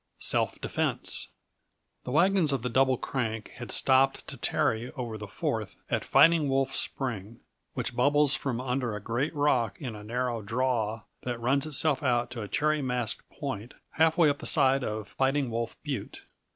Self defense. The wagons of the Double Crank had stopped to tarry over the Fourth at Fighting Wolf Spring, which bubbles from under a great rock in a narrow "draw" that runs itself out to a cherry masked point halfway up the side of Fighting Wolf Butte.